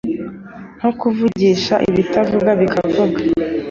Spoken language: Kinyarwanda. nko kuvugisha ibitavuga bikavuga